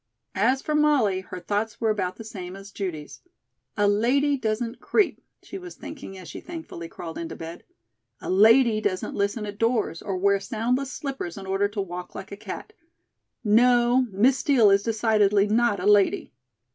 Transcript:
As for Molly, her thoughts were about the same as Judy's. "A lady doesn't creep," she was thinking, as she thankfully crawled into bed; "a lady doesn't listen at doors or wear soundless slippers in order to walk like a cat. No, Miss Steel is decidedly not a lady."